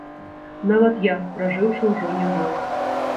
Нават я, пражыўшы ўжо нямала.